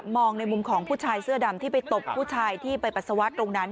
ในมุมของผู้ชายเสื้อดำที่ไปตบผู้ชายที่ไปปัสสาวะตรงนั้น